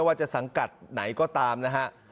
ว่าจะสังกัดไหนก็ตามนะฮะ